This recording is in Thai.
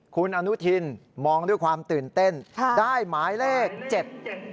คุณอนุทินมองด้วยความตื่นเต้นค่ะได้หมายเลขเจ็ด